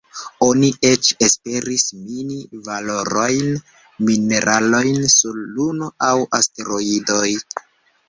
Oni eĉ esperis mini valorajn mineralojn sur Luno aŭ asteroidoj.